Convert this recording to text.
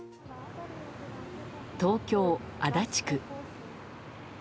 東京・足立区。